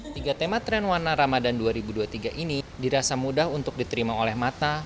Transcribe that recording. tiga tema tren warna ramadan dua ribu dua puluh tiga ini dirasa mudah untuk diterima oleh mata